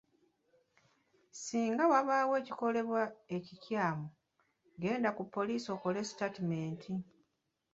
Singa wabaawo ekikolebwa ekikyamu, genda ku poliisi okole sitaatimenti.